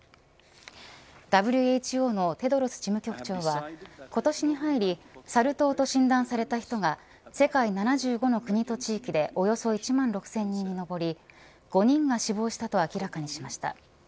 ＷＨＯのテドロス事務局長は今年に入り、サル痘と診断された人が世界７５の国と地域でおよそ１万６０００人に上り５人が死亡したと明らかにしました。